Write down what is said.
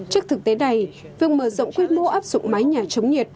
trước thực tế này việc mở rộng quy mô áp dụng mái nhà chống nhiệt